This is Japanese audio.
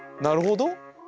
なるほど。